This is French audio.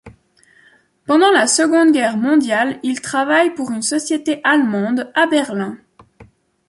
Pendant la Seconde Guerre mondiale, il travaille pour une société allemande à Berlin.